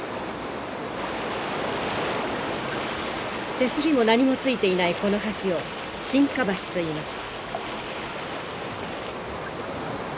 手すりも何もついていないこの橋を沈下橋といいます。